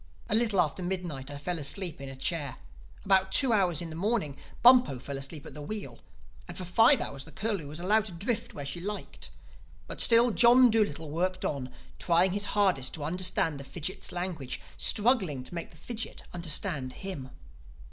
A little after midnight I fell asleep in a chair; about two in the morning Bumpo fell asleep at the wheel; and for five hours the Curlew was allowed to drift where she liked. But still John Dolittle worked on, trying his hardest to understand the fidgit's language, struggling to make the fidgit understand him.